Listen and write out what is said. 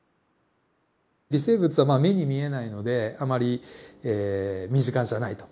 微生物はまあ目に見えないのであまり身近じゃないと。